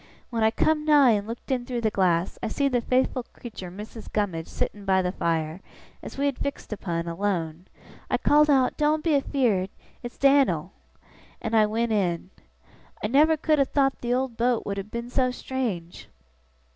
When I come nigh and looked in through the glass, I see the faithful creetur Missis Gummidge sittin' by the fire, as we had fixed upon, alone. I called out, "Doen't be afeerd! It's Dan'l!" and I went in. I never could have thowt the old boat would have been so strange!